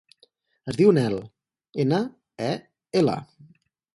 Es diu Nel: ena, e, ela.